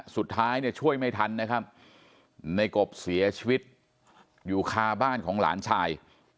สุดท้ายเนี่ยช่วยไม่ทันนะครับในกบเสียชีวิตอยู่คาบ้านของหลานชาย